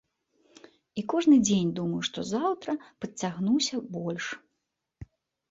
І кожны дзень думаю, што заўтра падцягнуся больш.